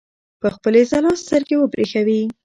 په خپلې ځلا سترګې وبرېښوي.